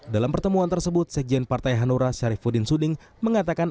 dalam pertemuan tersebut sekjen partai hanura syarifudin suding mengatakan